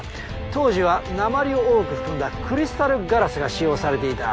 当時は鉛を多く含んだクリスタルガラスが使用されていた。